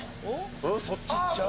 そっち行っちゃう？